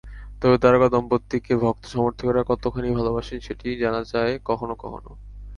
তবে তারকা দম্পতিকে ভক্ত-সমর্থকেরা কতখানি ভালোবাসেন, সেটি জানা যায় কখনো কখনো।